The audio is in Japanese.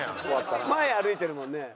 前歩いてるもんね。